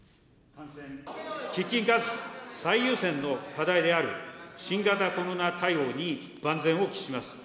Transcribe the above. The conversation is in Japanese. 喫緊かつ最優先の課題である、新型コロナ対応に万全を期します。